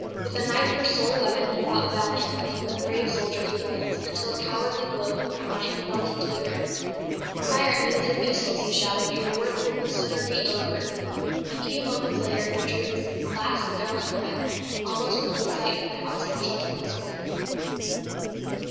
With a knife for sole weapon he fought valiantly, like the brave soldier he was, until a cowardly blow from behind felled him to the ground. "Fire at me with your pistols," he shouted, "your work will the sooner be over." A few moments later he drew his last gallant breath, almost within sight of the house that sheltered his beloved.